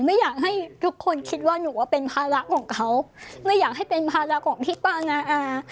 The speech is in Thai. ไม่อยากให้ทุกคนคิดว่าหนูว่าเป็นภาระของเขาไม่อยากให้เป็นภาระของพี่ป้างาอา